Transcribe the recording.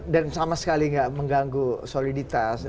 dan sama sekali gak mengganggu soliditas